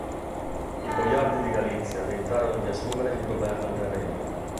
I boiardi di Galizia tentarono di assumere il governo del regno.